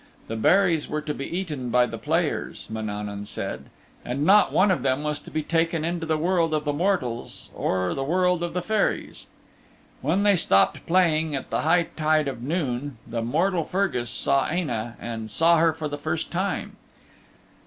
The berries were to be eaten by the players, Mananaun said, and not one of them was to be taken into the world of the mortals or the world of the Fairies. When they stopped playing at the high tide of noon the mortal Fergus saw Aine' and saw her for the first time.